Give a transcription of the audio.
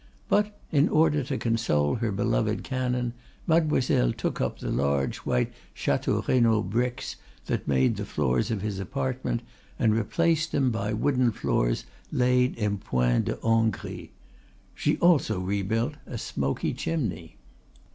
But in order to console her beloved canon, Mademoiselle took up the large white Chateau Renaud bricks that made the floors of his apartment and replaced them by wooden floors laid in "point de Hongrie." She also rebuilt a smoky chimney.